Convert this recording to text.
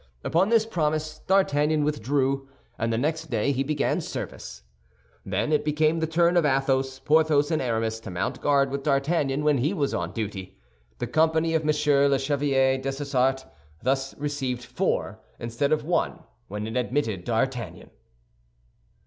Upon this promise D'Artagnan withdrew, and the next day he began service. Then it became the turn of Athos, Porthos, and Aramis to mount guard with D'Artagnan when he was on duty. The company of M. le Chevalier Dessessart thus received four instead of one when it admitted D'Artagnan.